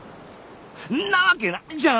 そんなわけないじゃん！